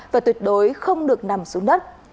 và tuyệt đối không được nằm xuống đất